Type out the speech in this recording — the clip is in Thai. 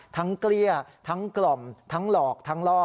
เกลี้ยทั้งกล่อมทั้งหลอกทั้งล่อ